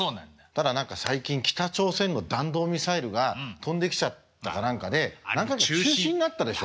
ただ何か最近北朝鮮の弾道ミサイルが飛んできちゃったか何かで何回か中止になったでしょ。